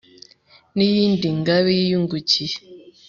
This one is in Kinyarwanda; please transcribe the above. n' iyindi ngabe yiyungukiye